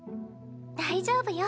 大丈夫よ。